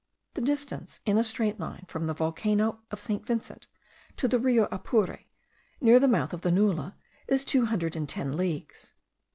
The distance in a straight line from the volcano of St. Vincent to the Rio Apure, near the mouth of the Nula, is two hundred and ten leagues.